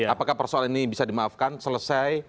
apakah persoalan ini bisa dimaafkan selesai